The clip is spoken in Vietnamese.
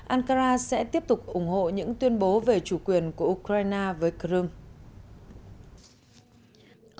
ankara sẽ tiếp tục ủng hộ những tuyên bố về chủ quyền của ukraine với crime